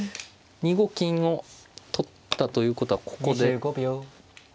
２五金を取ったということはここで。